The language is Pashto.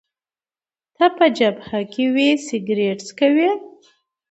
ته په جبهه کي وې، سګرېټ څکوې؟